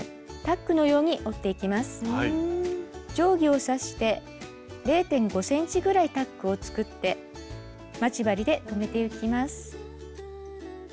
定規をさして０．５ｃｍぐらいタックを作って待ち針で留めてゆきます。